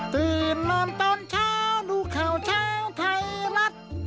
ตื่นนอนตอนเช้าดูข่าวเช้าไทยรัฐ